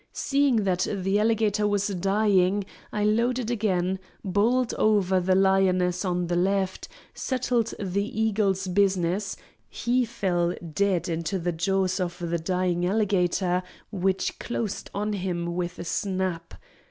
Seeing that the alligator was dying, I loaded again, bowled over the lioness on the left, settled the eagle's business (he fell dead into the jaws of the dying alligator, which closed on him with a snap).